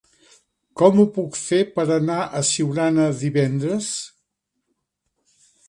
Com ho puc fer per anar a Siurana divendres?